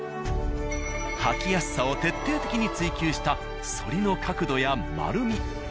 履きやすさを徹底的に追求した反りの角度や丸み。